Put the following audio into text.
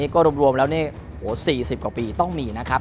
ก็รวมแล้ว๔๐กว่าปีต้องมีนะครับ